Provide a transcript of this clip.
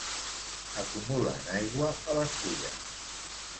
Acumulen aigua a les fulles.